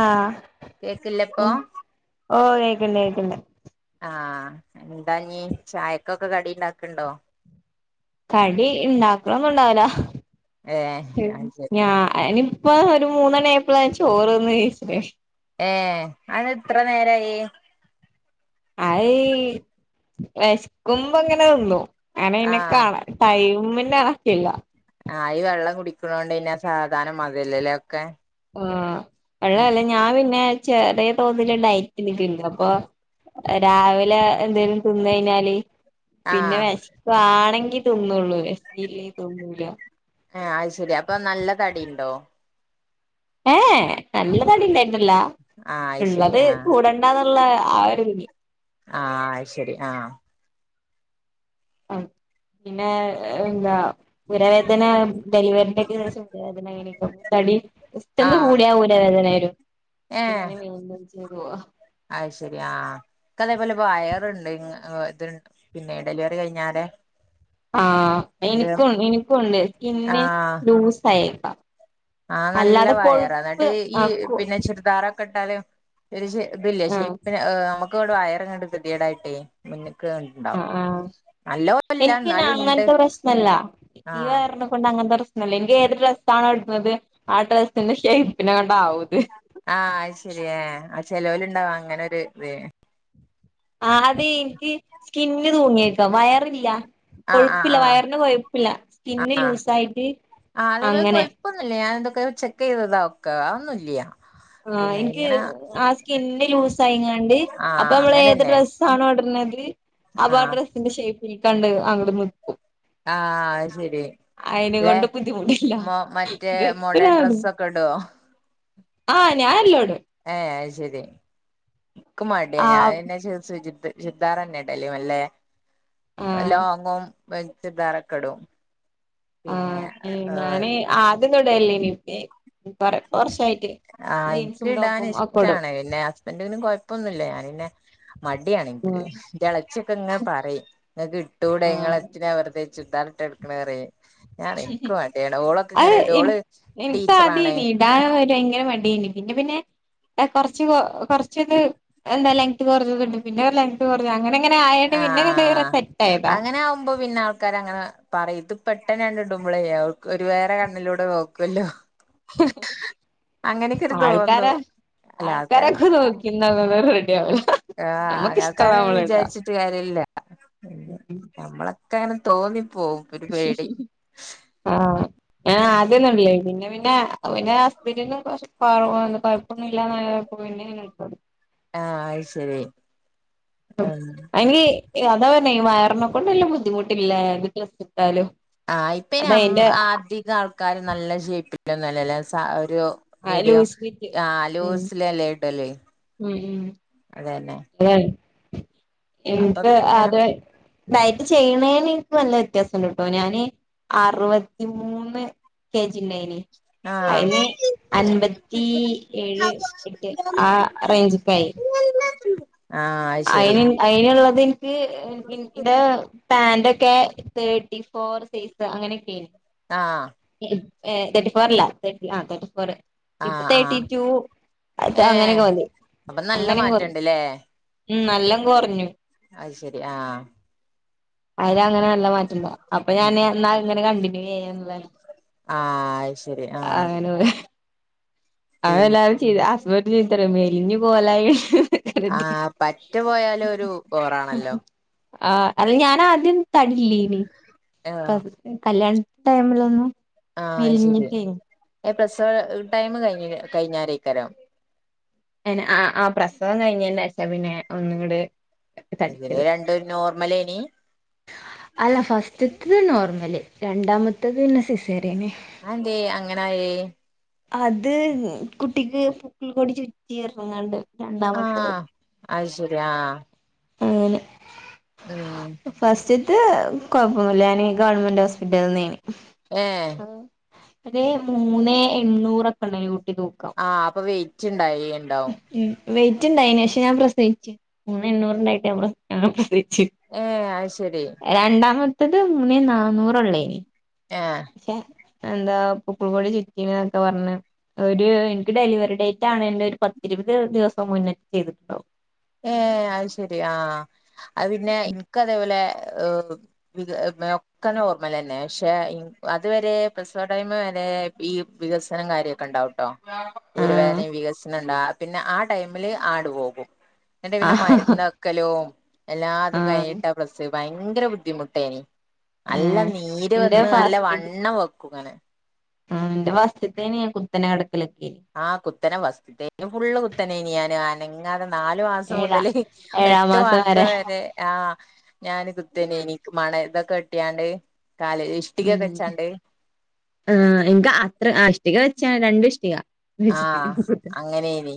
ആഹ് കേക്കില്ല ഇപ്പൊ ഓ ഓ കേക്ക്‌ണ്ട് കേക്ക്‌ണ്ട് എന്താഞ്ഞി ചായക്കൊക്കെ കടിണ്ടാക്ക്‌ണ്ടോ? കടി ഇണ്ടാക്ക്‌ണൊന്നുണ്ടാവുല ഏഹ് അത് ശരി ഞാന് ഇപ്പൊ ഒരു മൂന്നണി ആയപ്പോള ഞാൻ ചോറ്ന്ന് നീച്ചിന് ഏ അതന്താ ഇത്ര നേരായി അത് വെശ്ക്കുമ്പോ ഇങ്ങനെ തിന്നും ആനെ ഇന്നെ ആഹ് കാണ ടൈമിനാക്കില്ല ആ ഈ വെള്ളം കുടിക്കണോണ്ട് പിന്നെ സാവധാനം മതീലൊലെ ഒക്കെ ആ ഉം അള്ളല്ല ഞാൻ പിന്നെ ചെറിയ തോതില് ഡയറ്റ് ഇട്ക്കണ്ട് അപ്പൊ എ രാവിലെ എന്തേലും തിന്ന് കഴിഞ്ഞാല് പിന്നെ ആഹ് വിശ്പ്പാണെങ്കി തിന്നുള്ളൂ വിശപ്പില്ലെങ്കിൽ തിന്നൂല ആ അത് ശരി അപ്പൊ നല്ല തടിണ്ടോ? ഏ ഏ നല്ല തടിണ്ടായിരുന്നില്ലാ ആഹ് അത് ശരി ഇള്ളത് ആഹ് കൂടണ്ടാന്ന് ഉള്ള ആ ഒരു വി ആഹ് ശരി ആഹ് ആ പിന്നേ എന്താ ഊരവേദന ഡെലിവറിന്റെക്കെ ശേശം ഊരവേദന എങ്ങനെ തടി പെട്ടന്ന് ആഹ് കൂടിയാ ഊര വേദന ഏഹ് ഉന്ത [inaudible] അത് ശരി ആ ഇക്ക് അതേപോലെ വയറുണ്ട് ഓ ഇത് പിന്നെ ഡെലിവറി കഴിഞ്ഞാലേ ആഹ് ഇനിക്കും ഇനിക്കുണ്ട് സ്കിന്ന് ലൂസായി ആ നല്ല വയറ ന്നിട്ട് ഈ ആഹ് കൊ പിന്നെ ചുരിദാറൊക്കെ ഇട്ടാല് ഒരു ഷേ ഇതില്ലേ ആഹ് ഷേപ്പിന് ഇ നമ്മക്ക്ണ്ട് വയറിങ്ങണ്ട് വൃത്തികേടായിട്ടേ മുന്നിക്ക്ണ്ടാവും എനിക്ക്ന്നെ അങ്ങനത്തെ പ്രശ്നല്ല ഈ ആഹ് വയറിനെ കൊണ്ട് അങ്ങനത്തെ പ്രശ് നല്ല എൻക്ക് ഏത് ഡ്രസ്സാണോ ഇടണത് ആ ഡ്രസ്സിന്റെ ഷേപ്പിന് ആ അത് ശരി ഏ അ ചെലോല്ണ്ടാവു അങ്ങനൊരു ഇത് ആ അത് എനിക്ക് സ്കിന്ന് തൂങ്ങിയേക്ക വയറില്ല ആഹ് ആഹ് കൊഴുപ്പില്ല ആഹ് വയറിന് കൊഴുപ്പില്ല സ്കിന്ന് ലൂസായിട്ട് ആ അത് വെ അങ്ങനെ കൊയ്പ്പൊന്നുല്ല ഞാനതൊക്കെ ചെക്ക് ചെയ്തതാ ഒക്കെ അഒന്നുല്ല്യ ആ എനിക്ക് ആ സ്കിന്ന് ലൂസായിങ്ങാണ്ട് അപ്പൊ ആഹ് നമ്മള് ഏത് അങ്ങനെന്നെ ഡ്രസ്സാണോ ഇടണ ത് അപ്പൊ ആ ആഹ് ഡ്രസ്സിന്റെ ഷേയപ്പിലെക്കാണ്ട് അങ്ങട് നിക്കും ആ അത് ശരി അയിനെ ല്ലെ കൊണ്ട് ബുദ്ധിമുട്ടില്ല മൊ മറ്റേ മോഡേൺ ഡ്രസ്സിനാകും ഡ്രെസ്സൊക്കെ ഇടോ ആ ഞാനല്ലോടും ഏഹ് അത് ശരി ഇക്ക് മടിയാ ആ ഞാാനന്നെ ചു ചു ചുരിദാറെന്നെ ഇടല് വെല്ലേ ആ ലോങ്ങും പോലത്തെ ദാറൊക്കെടും പിന്നെ ഏ [unintelligible] കൊറച്ചായി ആ ഇൻക്ക് ഇടാന് ഇഷ്ടാണ് പിന്നെ ഹസ്ബന്റിനും കൊയപ്പൊന്നുല്ല ഞാന് ന്നെ മടിയാണ് ഇനിക്ക് ന്റെ ഇളച്ചിയൊക്കെ ഇങ്ങനെ പറയും ഇങ്ങക്ക് ഇട്ടുടെ ആ ഇങ്ങളെന്തിനാ വെറ്തെ ചുർതാറിട്ടടക്കണ് പറയു ആ എനി ടീച്ചറാണ് എനികാദ്യേനി ഇടാൻ ഒരു വയങ്കര മടി യെനി പിന്നെ പിന്നെ എ കുറച്ച് കുറച്ചത് എന്താ ലെങ്ത്ത് കുറഞത്ണ്ട് പിന്നെ ലെങ്ത്ത് കുറഞ്ഞ അങ്ങനെ അങ്ങനെ ആയാണ്ട് ആ ആ പിന്നെങ്ങട് ആ സെറ്റായതാ അങ്ങനെ ആവുമ്പോ പിന്നെ ആൾക്കാരങ്ങനെ പറയും ഇതി പെട്ടെന്നാണ്ട് ഇടുമ്പളെ അവൾക്കൊരു വേറെ കണ്ണിലൂടെ നോക്കുവല്ലോ അങ്ങനെയൊക്കെ ഒരു ആൾക്കാര തോന്നും അല്ല ആൾക്കാരൊക്കെ നോക്കി [unintelligible] ആ ആൾക്കാര വിചാരിച്ചിട്ട് കാര്യല്ല പി നമ്മള [unintelligible] ആ ഞാനാദ്യന്നൊടല്ലേനി പിന്നെ പിന്നെ ഹസ്ബൻഡിനും കൊഴപ്പൊന്നും ഇല്ലന്ന [unintelligible] ആ ആയ് ശരി ആഹ് അയ്ങ്കി അതാ പറന്നെ ഈ വയറിനെ കൊണ്ട് ല്ല ബുദ്ധിമുട്ടില്ല ഇട്ടാലും ആ ഇപ്പ ഇനി അതാ അം അയിന്റെ അധികാൾക്കാര് നല്ല ഷേപ്പില്ലൊന്നല്ലല്ലോ സാ ഒരു മീഡിയം ലൂസ് ഫിറ്റ് ഉം ആലൂസിലല്ലേടല് ഉം ഉം അതന്നെ [unintelligible] അപ്പൊ പിന്നെ ഡയറ്റ് ചെയ്യണേന് എനിക്ക് നല്ല വ്യത്യാസണ്ട് ട്ടോ ഞാാന് അറുവത്തിമൂന്ന് കേ ജി ണ്ടായിനി ആഹ് അയിന് അൻപത്തി ഏഴ് എട്ട് ആ റേഞ്ചക്കായി [unintelligible] അത് ശരി അയിന് അയിന്ള്ളത് എനിക്ക് ഇടെ പാന്റൊക്കെ തേർട്ടി ഫോർ സൈസ് അങ്ങനെക്കെണ്ട് ആ തേർട്ടി ഫോർ അല്ല തേർട്ടി ആ തേർട്ടി ഫോർന്നെ ഇപ്പ ആഹ് തേട്ടി ആഹ് ടു അങ്ങനൊക്ക ഏഹ് മതി അപ്പൊ നല്ല അങ്ങനങൊറഞ്ഞു മാറ്റണ്ട്ല്ലേ ഉം നല്ലാം കൊറഞ്ഞു അത് ശരി ആ അയിര്നങ്ങനെ നല്ല മാറ്റണ്ട അപ്പൊ ഞാൻ എന്നാ ഇങ്ങനെ കണ്ടിന്യൂ ചെയ്യാന്ന ആ അങ്ങനെ പോ അവത പിന്നെ എല്ലാവരും ചീ അസ്മന്റ് ചീത്തറയു മേലിഞ്ഞു കോലായി ആ പറ്റു പോയാല് ഒരു ബോറാണല്ലോ ആ അ ഞൻ ആദ്യം തടില്ലനിപ്പ ആഹ് കല്യാണ ടൈമിലൊന്നും ആ ശരി മെലിഞ്ഞിട്ടേനി പ്രസവ ടൈം കഴിഞ്ഞ കഴിഞ്ഞരേക്കരം അനെ ആ ആ പ്രസവം കഴിഞ്ഞേനേച്ചാ പിന്നെ ഒന്ന്ങ്ങട് രണ്ടു നോർമലേനി അല്ല ഫസ്റ്റ്ത്തത് നോർമല് രണ്ടാമത്തേത് പിന്നെ സിസേറിന അന്തെ അങ്ങനായേ അത് കുട്ടിക്ക് പുക്കിൾ കുടി ചുറ്റി പറഞ്ഞാണ്ട് ആ അത് ശരി ആ അങ്ങനെ ഉം ത്ത് കൊഴപ്പൊന്നുല്ല ഞാന് ഗവൺമെന്റ് ഹോസ്പിറ്റലന്ന് ഏഹ് ന്നേനി ഒരു മൂന്ന് എണ്ണൂറൊക്കെ ഉണ്ടേനി കുട്ടി തൂക്കം ആഅപ്പൊ വെയിറ്റ് ഇണ്ടായി ഇണ്ടാവും വെയ്റ്റ്ണ്ടായിന് പക്ഷേ ഞാൻ പ്രസിച്ചു മൂന്ന് എണ്ണ്റുണ്ടായിട്ട് പ്രസവിച്ച പ്രസ ച്ച് ഏഹ് അത് ശരി രണ്ടാമത്തത് മൂന്നേ നാന്നൂറള്ളേന് ആ എന്താ പുക്കിൾ കുടി ചുറ്റി ന്നൊക്കെ പറഞ്ഞ് ഒരു എനിക്ക് ഡെലിവറി ഡേറ്റ് ആണ് ന്റെ പത്തിരുപത് ദിവസം മുന്നിട്ട് ചെയ്തിട്ടുണ്ടാവും ഏ അത് ശെരി ആ അത് പിന്നെ ഇന്ക്ക് അതേപോലെ ് ഒക്കെ ഓർമൽ തന്നെ പക്ഷെ അതുവരെ പ്രസവ ടൈം വരെ ഈ വികസനം കാര്യമൊക്കെ ഉണ്ടാവട്ടോ ഒരു ആഹ് വേദനയും വികസനണ്ടാ പിന്നെ ആ ടൈമില് ആടു പോകും എന്നിട്ട് പിന്നെ ആഹ് മര്ന്ന്ക്കലും എല്ലാ അതും ആഹ് കഴിഞ്ട്ട പ്രസ ഭയങ്കര ബുദ്ധിമുട്ടേനി നല്ല ഏഹ് നീര് ഇന്റെ വന്ന് നല്ല വണ്ണം വെക്കുങ്ങനെ ആ എന്റെ ഫസ്റ്റ്ത്തേനി കുത്തനെ കെ ആ കുത്തന ഫസ്റ്റായിട്ട് ഫുള്ള് കുത്തനനി ഞാന് അനങ്ങാതെ നാലു മാസം മുതൽ ഏഴാം എട്ടു മാസം വരെ ആ ഞാന് കുത്തനേനി എനിക്ക് മണ ഇതൊ കെട്ടിയാണ്ട് കാല് ഇഷ്ടികയൊക്കെ ഉം വെച്ചാണ്ട് ആ എൻക്ക് അത്ര ഇഷ്ടിക വെച്ചാണ് രണ്ട് ഇഷ്ടിക ആ വെച്ചിട്ട് അങ്ങനേനി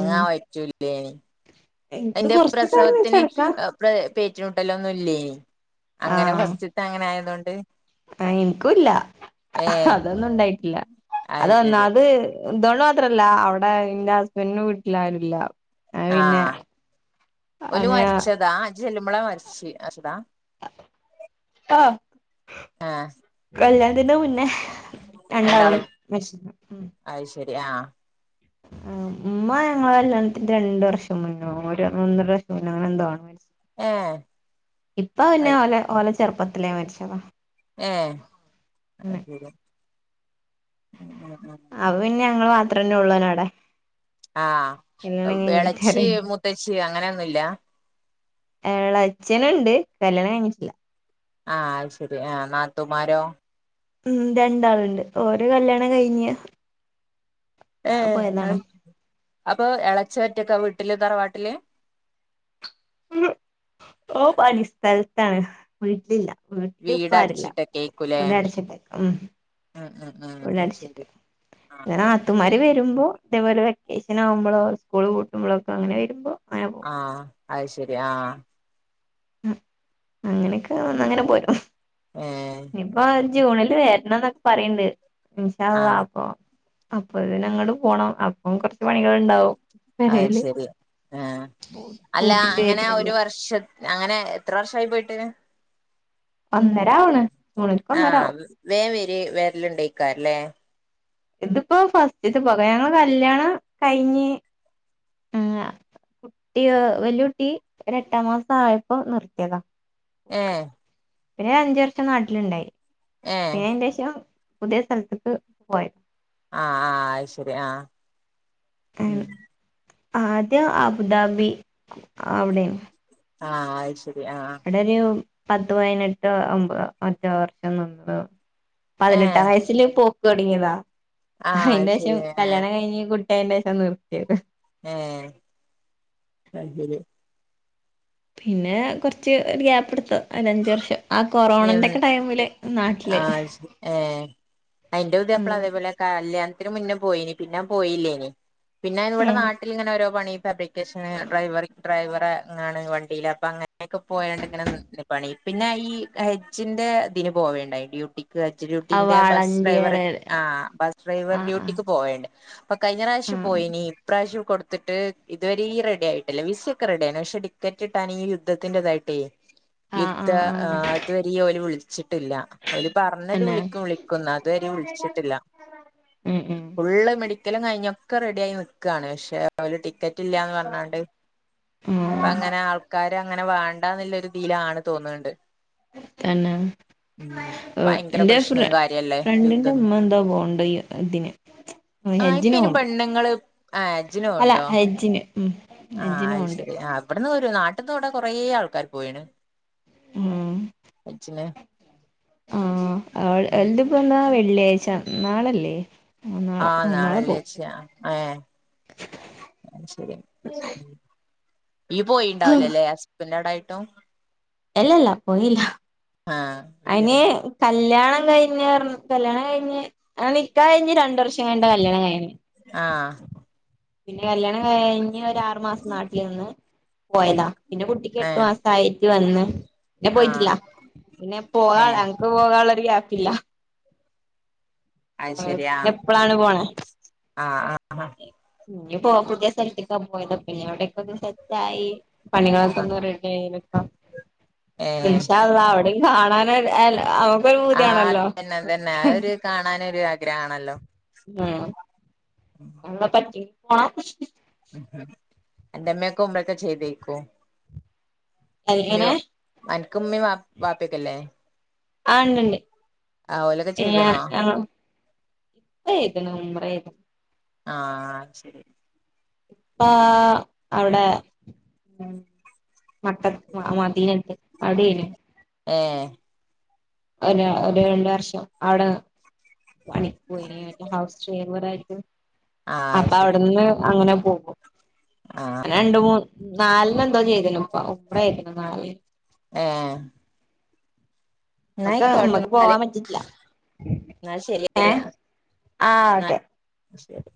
ഉം പറ്റുല്ലേനി എനിക്ക് എന്റെ കൊറച്ച് കാലം പ്രസവത്ത്ന് വെച്ചടക്കാ പ്ര പേറ്റുലൂട്ടലെന്നുല്ലേനി അങ്ങനെ ഫസ്റ്റ്ത്തെ അങ്ങനെ ആയതോണ്ട് ആ എനിക്കുല്ല അതൊന്നും ഉണ്ടായിട്ടില്ല അത് ഒന്നാമത് എന്തോണ്ട് മാത്രല്ല അവടെ ഇന്റെ ഹസ്ബന്റിന്റെ വീട്ടിലാരുല്ല അത് ആ പിന്നെ ഓല് അങ്ങനെ മരച്ചതാ ചെല്ലുമ്പളാ മരച്ച് അതാ ആ ആഹ് കല്ല്യാണത്തിന്റെ മുന്നേ രണ്ടാളും മര്ച്ച്ക്ക്ണ് ഉം ശരിയാ ആ ഉമ്മ ഞങ്ങളെ കല്യാണത്തിന്റെ രണ്ടു വർഷം മുന്നേ ഒരു ഒന്നര വർഷം മുന്നേ അങ്ങനെന്തോണ് ഏഹ് ഇപ്പ പിന്നെ ഓല ഓല ചെറുപ്പത്തിലേ മരിച്ചതാ ഏ അവ പിന്നെ ഞങ്ങള് മാത്രന്നെള്ളു അടെ ആ എളച്ചി മൂത്തച്ചി അങ്ങനെന്നുല്ല എളച്ഛനുണ്ട് കല്യാണം കഴിഞ്ഞിട്ടില്ല ആ അത് ശരി ആഹ നാത്തുമാരോ ഉം രണ്ടാള്ണ്ട് ഓരോ കല്യാണം കഴിഞ്ഞ് ഏ പോയതാണ് അപ്പേ എളച്ഛൻ ഒറ്റക്കാ വീട്ട് വീട്ട്ല് താറവാട്ട്ല് ഓ പണി സ്ഥൽത്താണ് വീട്ട്ല്ല വീട്ട്ല് വീട് ഇപ്പാരുല്ല വീട് അടച്ചിട്ടക്ക ഉം അ അ അ ന്നാ ശരി. ആഹ് ശരി നാത്തുമാര് വരുമ്പോ ഇതെ പോലെ വെക്കേഷനാവുമ്പളോ സ്കൂള് പൂട്ട്മ്പളക്ക അങ്ങനെ വരുമ്പോ അങ്ങനെ ആ, പോകും അത് ശരി ആ ഉം അങ്ങനെക്കവു അങ്ങനെ പോരും ഏഹ് ഇനിപ്പ ജൂണില് വരണന്നൊക്കെ പറയ്ണ്ട് ഇൻഷാഅള്ളാ ആഹ് അപ്പ അപ്പ പിന്നെ അങ്ങട് പോണം അപ്പം കെറച്ച് പണികള്ണ്ടാവും. അയ്ശരി ആ അല്ല പൂട്ടിട്ട് അങ്ങന ഒരു വരുന്നല്ലേ വർഷ അങ്ങന എത്ര വർഷയി പോയിട്ട്? ഒന്നരാവ്ണ്. ആഹ് വെ വെര് വെര്ല്ണ്ടായിക്കല്ലേ. ഇതിപ്പോ ഫസ്റ്റ് തെ പോക ഞങ്ങള് കല്യാണം കഴിഞ്ഞ് ആ കുട്ടി വല്ല്യ കുട്ടി ഒരു എട്ടാം ക്ലാസായപ്പം നിർത്തിയതാ. ഏഹ് പിന്നെ അഞ്ച് വർഷം നാട്ടിലുണ്ടായി. ഏഹ് പിന്നെ അയിന്റെശം പുതിയ സ്ഥൽത്ത്ക്ക് പോയി. ആ ആ അഹ് ശരി ആ. ഏ ആദ്യം അബുദാബി ഔടെനി ആ അഹ്ശരി. ഔടെരു, പത്ത്, പതിനെട്ട്, ഒമ്പ, മറ്റോ വർഷം നിന്നു. ഏഹ് പതിനെട്ടാം വയസ്സില് പോക്ക് തുടങ്ങിയതാ ആഹ് അത് ശരി അയിന്റോശം ഏഹ് കല്യാണം കഴിഞ്ഞ് കു കുട്ടി ആയന്റോശനിർത്തിയത്. ഏ അതെരു പിന്നെ കൊറച്ച് ഒരു ഗ്യാപ്പ് എടുത്തു. അതിനഞ്ച വർഷം ആ ഉം കൊറോണന്റെ ഒക്കെ ടൈമില് നാട്ടില് ആഹ് ഏഹ് അയിന്റെ ഉദയപ്പള്യ അങ്ങനെ അതേപോലെ കല് ഇതിനു മുന്നേ പോയിനി പിന്നെ പോയില്ലേനി. പിന്നെ ഇവിടെ ആഹ് നാട്ടിലിങ്ങനെഓരോ പണി [unintelligible] ഡ്രൈവർ ഡ്രൈവറാണ് വണ്ടിയില് അപ്പൊ അങ്ങനെയൊക്കെ പോയണ്ട് ഇങ്ങനെ നിക്ക് [unintelligible] പണി പിന്നെ ഈ ഹെജ്ജിന്റെ ഇതിന് പോവേണ്ടായി, ഡ്യൂട്ടി [unintelligible] ആ ഡ്യൂട്ടിന്റെ ബസ് ഡ്രൈവർ. വാളണ്ടിയർ ആ ബസ് ഡ്രൈവർ ആഹ് ആഹ് ഡ്യൂട്ടിക്ക് പോയേണ്ട്. അപ്പൊ കയിഞ്ഞറാശ്യം ആഹ് പോയിനി ഇപ്രാവശ്യം കൊടുത്തിട്ട് ഇതുവരീം റെഡി ആയിട്ട്ല്ല. വിസയൊക്കെ റെഡിയായി പക്ഷെ ടിക്കറ്റ് കിട്ടാന് ഈ യുദ്ധത്തിന്റെ ഇതായിട്ടേ ആഹ് യുദ്ധ ആഹ് ആ ആഹ് അത് വരീം ഓല് വിളിച് ട്ടില്ല ഓല് പറഞ്ഞത് തന്നെ വിളിക്കും വിളിക്കുന്നാ ഇതുവരെ വിളിച്ചിട്ടില്ല. ഉം ഫുള്ള് മെടിക്കലും കഴിഞ്ഞൊക്കെ റെഡിയ ആായി നിക്കുവാണ് പക്ഷെ അവര് ടി ടിക്കറ്റ്ല്ലന്ന് പറഞ്ഞാണ്ട് ഉം അപ്പ ആഹ് അങ്ങനെ ആൾക്കാര് അങ്ങനെ വേണ്ടന്നുള്ള ഒരു തിീലാണ് തോന്നണ്ട്. തന്ന ആഹ് ഭയങ്കര ന്റെ പ്രശ്നം ഫ്ര കാര്യല്ലേ യുദ്ധ ഫ്രണ്ടിന്റെ ഉമ്മ എന്തോ പോണ്ട്തിന് ആ ഇപ്പ ഹെജ്ജിനും ഇനി പോണുണ്ട്. പെണ്ണുങ്ങള് ആ ഹജ്ജിന് അല്ല പോവുണ്ടോ ഹജ്ജിന് ഉം ഹജജിനും പോണ്ട്. നാട്ടന്ന് വടെ കൊറെ ആൾക്കാര് പോയുണ് ഉം അഛന് ആഹ എതിപ്പന്നാ വെള്ളിയാഴ്ച നാളല്ലേ [unintelligible] ആഹ് നാളെ നാളെല്ലേ പോവും ച്ചാ ഏ ആഹ് ശരി. ഈ പോയിണ്ടാവലല്ലെ ഹസബന്റെോടായിട്ടും അല്ലല്ല പോയില്ല ആഹ് ശരി അതിനെ കല്യാണ കഴിഞ്ഞുർ കല്യാണം കഴിഞ്ഞ് കഴിഞ്ഞ് രണ്ടർഷം കഴിഞണ്ടാന് കല്യാണം കഴിഞ്. ആഹ് പിന്നെ കല്യാണം എഹ് ഇനി ഒര് ആറുമാസം നാട്ടിൽ നിന്ന് പോയതാ, പിന്നെ കുട്ടിക്ക് എട്ടു ഏഹ് മാസയി. വന്ന് പിന്നെ ആഹ് പോയിട്ടില്ല, പിന്നെ പോക ഏഹ് അനക്ക് പോകുന്ള്ളര് ഗ്യാപ്പ്ല്ല. അത് ആ ശരി പിന്നെ ആഹ് എപ്പളാണ് പോണെ? ആഹ് ഇ പോവാ പുതിയ സ്ഥലത്തേക്കാൻ പോയ പിന്നെ അവിടെക്കെ സെറ്റായ് ആഹ് പണികളൊക്ക ആഹ് ഒന്ന് റെഡി [unintelligible] ഏഹ് ഇൻശാഅല്ലാഹ്‌ അവിടെ കാണാന [unintelligible] ആഹ് അതതന്നെ അതന്നെ അതൊരു കാണാനൊരു ആഗ്രഹാണല്ലോ. ആ എന്ന പറ്റി പോണ അന്റെ ഉമ്മ ക്കെ ഹുംറ ക്കെ ചെയ്തേക്കു അതിങ്ങനെ [unintelligible] ന്ക്ക് ഇമ്മിമ്മീം വാപ്പേക്കല്ലേ? ആണ്ട്ണ്ട്. ചെയ്തണോ ഏഹ് ആഹ് ഉംറയ്തിനു [unintelligible] ആഹ ശരി ഇപ്പ.. അവിടെ മട്ട മദീനത്ത് അവിടേനി എഹ്. ന്നെ ഒര് ഒരു രണ്ട്വർഷം അവിടെ പണി പോയി [unintelligible] ആഹ് അപ്പൊ ശരി അവിടെന്ന് അങ്ങനെ പോകും. ആഹ് രണ്ട് മൂന്ന് നാലിന് എന്തോ ചെയ്ത് ന് ഉപ്പ [unintelligible] നാ ഏഹ് നമ്മക്ക് നമ്മക്ക് പോവാൻ പറ്റില്ല. ന്നാൽ ശരിയറിയാ, ആഹ് എന്നാ ഓക്കെ ശരി.